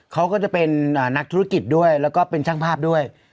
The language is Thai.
เขาก็จะเป็นนักธุรกิจด้วยแล้วก็เป็นช่างภาพด้วย